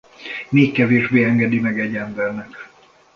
Még kevésbé engedi meg egy embernek.